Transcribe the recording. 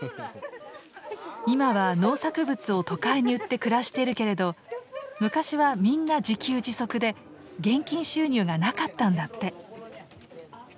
今は農作物を都会に売って暮らしてるけれど昔はみんな自給自足で現金収入がなかったんだって。